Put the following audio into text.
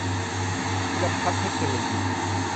พีรพัฒน์ เทคโนโลยี